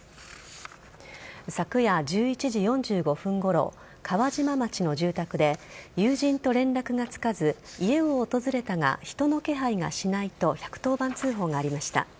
昨夜１１時４５分ごろ川島町の住宅で友人と連絡がつかず家を訪れたが人の気配がしないと１１０番通報がありました。